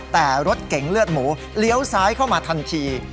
แต่รถเก๋งเลือดหมูเลี้ยวซ้ายเข้ามาทันที